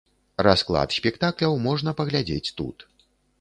Расклад спектакляў можна паглядзець тут.